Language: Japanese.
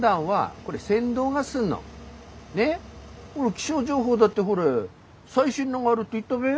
気象情報だってほれ最新のがあるって言ったべ？